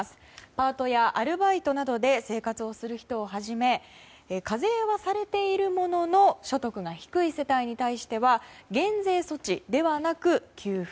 パートやアルバイトなどで生活をする人をはじめ課税はされているものの所得が低い世帯に対しては減税措置ではなく給付。